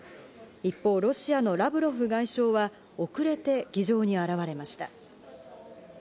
一方、ロシアのラブロフ外相は遅れて議場に現れました。